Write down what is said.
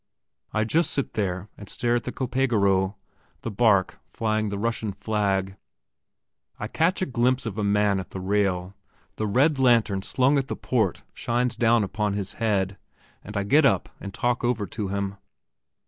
I just sit there and stare at the Copégoro, the barque flying the Russian flag. I catch a glimpse of a man at the rail; the red lantern slung at the port shines down upon his head, and I get up and talk over to him.